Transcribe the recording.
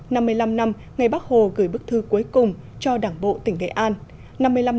năm mươi năm năm ngày bắc hồ gửi bức thư cuối cùng cho đảng bộ tỉnh nghệ an